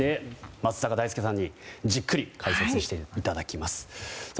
松坂大輔さんにじっくり解説していただきます。